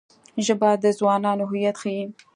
ژبه د ځوانانو هویت ښيي